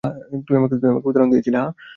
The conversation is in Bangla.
তুই আমাকে কী উদাহরণ দিয়েছিলি, হাহ?